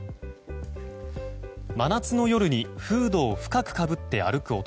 真夏の夜にフードを深くかぶって歩く男。